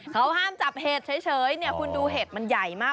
เขาห้ามจับเห็ดเฉยเนี่ยคุณดูเห็ดมันใหญ่มาก